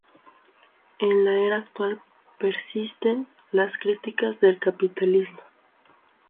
En la era actual persisten las críticas del capitalismo.